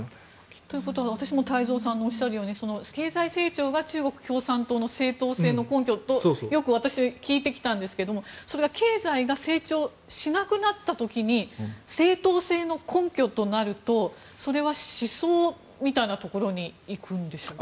ということは私も太蔵さんがおっしゃるように経済成長が中国共産党の正統性の根拠とよく私、聞いてきたんですがそれが経済が成長しなくなった時に正統性の根拠となるとそれは思想みたいなところにいくんでしょうか？